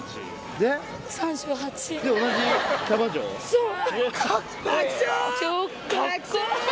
そう！